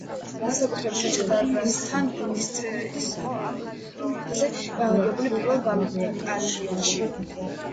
განსაკუთრებით აჩადარასთან, გუმისთის ფრონტზე განლაგებულ პირველ ბატალიონში.